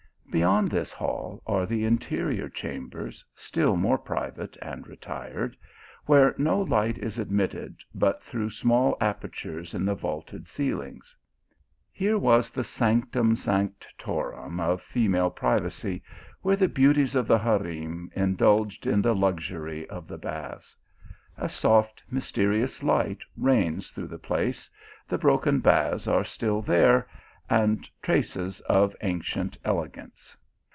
Beyond this hall are the in terior chambers, still more private and retired, where no light is admitted but through small aper tures in the vaulted ceilings. Here was the sanc tum sanctorum of female privacy, where the beauties of the harem indulged in the luxury of the baths. A soft mysterious light reigns through the place, the broken baths are still there, and traces of ancient elegance.